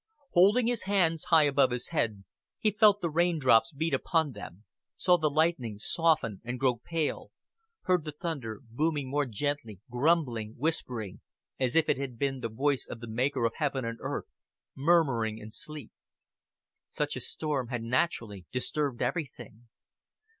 Holding his hands high above his head, he felt the rain drops beat upon them, saw the lightning soften and grow pale, heard the thunder booming more gently, grumbling, whispering as if it had been the voice of the Maker of heaven and earth, murmuring in sleep. Such a storm had naturally disturbed everything.